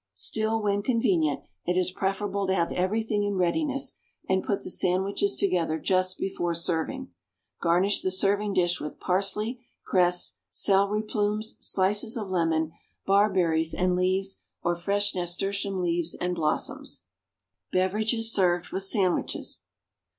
Still, when convenient, it is preferable to have everything in readiness, and put the sandwiches together just before serving. Garnish the serving dish with parsley, cress, celery plumes, slices of lemon, barberries and leaves, or fresh nasturtium leaves and blossoms. =Beverages Served with Sandwiches.